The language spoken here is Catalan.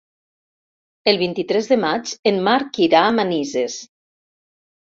El vint-i-tres de maig en Marc irà a Manises.